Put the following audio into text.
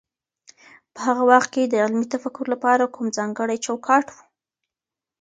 په هغه وخت کي د علمي تفکر لپاره کوم ځانګړی چوکاټ و؟